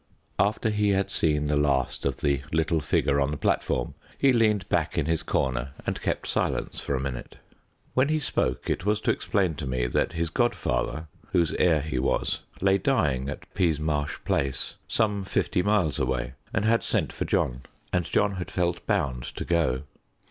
After he had seen the last of the little figure on the platform he leaned back in his corner and kept silence for a minute. When he spoke it was to explain to me that his godfather, whose heir he was, lay dying at Peasmarsh Place, some fifty miles away, and had sent for John, and John had felt bound to go.